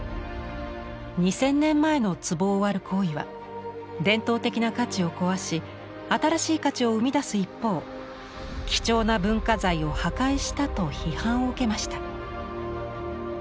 ２０００年前の壷を割る行為は伝統的な価値を壊し新しい価値を生み出す一方貴重な文化財を破壊したと批判を受けました。